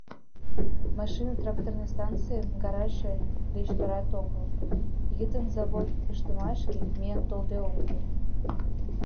Машинно-тракторный станцийын гаражше деч торат огыл, йытын завод ыштымашке миен толде ок лий.